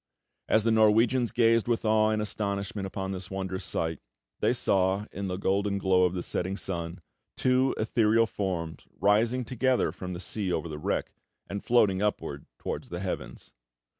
As the Norwegians gazed with awe and astonishment upon this wondrous sight, they saw, in the golden glow of the setting sun, two ethereal forms rising together from the sea over the wreck, and floating upward towards the heavens.